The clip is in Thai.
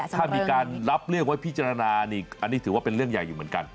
ถ้ามีการรับเรื่องไว้พิจารณานี่อันนี้ถือว่าเป็นเรื่องใหญ่อยู่เหมือนกัน